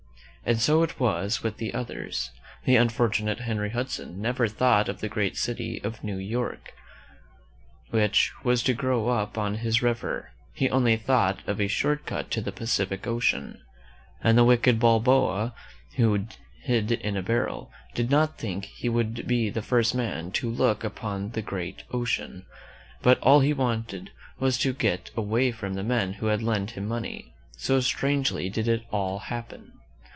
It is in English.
And so it was with the others. The unfortunate Henry Hudson never thought of the great city of New York, which was to grow up on his river; he only thought of a short cut to the Pacific Ocean. And the wicked Balboa, who hid in a barrel, did not think that he would be the first man to look upon the great ocean; but all he wanted was to get away from the men who had lent him money. So strangely did it all happen!